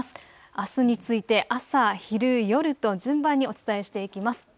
あすについて朝、昼、夜と順番にお伝えしていきます。